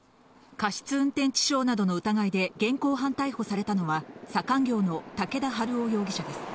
過失運転致傷などの疑いで現行犯逮捕されたのは、左官業の竹田春男容疑者です。